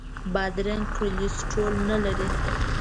بادرنګ کولیسټرول نه لري.